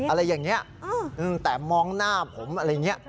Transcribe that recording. อะไรอย่างนี้แต่มองหน้าผมอะไรอย่างนี้